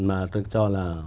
mà tôi cho là